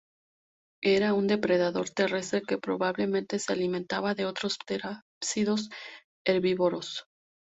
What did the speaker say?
Era un depredador terrestre que probablemente se alimentaba de otros terápsidos herbívoros.